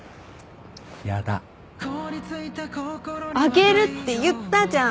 あげるって言ったじゃん！